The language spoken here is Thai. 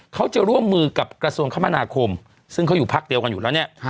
เขาจะร่วมมือกับกระทรวงคมนาคมซึ่งเขาอยู่พักเดียวกันอยู่แล้วเนี่ย